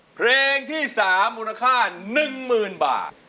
เพลงที่๓มูลค่า๑๐๐๐บาท